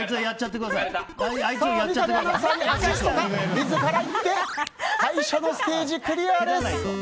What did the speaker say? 自らいって最初のステージクリアです。